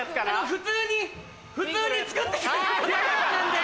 普通に普通に作ってくれても大丈夫なんで。